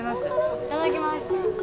いただきます。